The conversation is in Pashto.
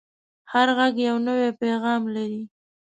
هر غږ یو نوی پیغام لري